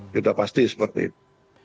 sudah pasti seperti itu